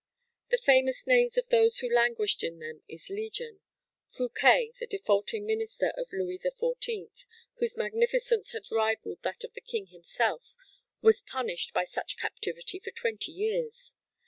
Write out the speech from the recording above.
The famous names of those who languished in them is legion. Fouquet, the defaulting minister of Louis XIV, whose magnificence had rivalled that of the king himself, was punished by such captivity for twenty years.